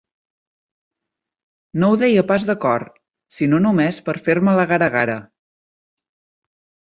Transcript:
No ho deia pas de cor, sinó només per fer-me la gara-gara.